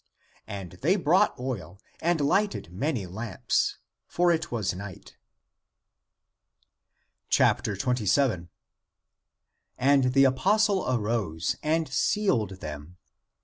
And they brought oil and lighted many lamps. For it was night. 27. And the apostle arose, and sealed them.